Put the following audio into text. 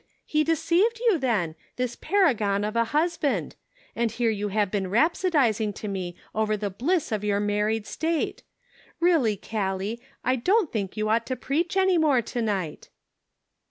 He deceived you, then, this paragon of a husband ! and here you have been rhapsodizing to me over the bliss of your married state ! Really, Gallic, I don't think 3^011 ought to preach any more to night."